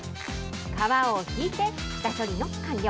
皮を引いて、下処理の完了。